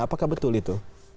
apakah betul itu